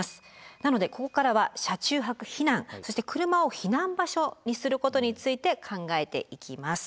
なのでここからは車中泊避難そして車を避難場所にすることについて考えていきます。